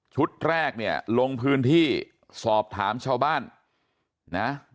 แรกเนี่ยลงพื้นที่สอบถามชาวบ้านนะ